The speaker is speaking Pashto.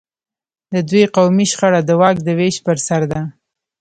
د دوی قومي شخړه د واک د وېش پر سر ده.